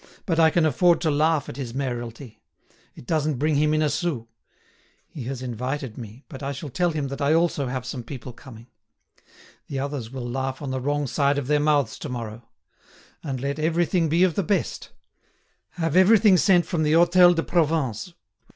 But I can afford to laugh at his mayoralty; it doesn't bring him in a sou! He has invited me, but I shall tell him that I also have some people coming. The others will laugh on the wrong side of their mouths to morrow. And let everything be of the best. Have everything sent from the Hôtel de Provence.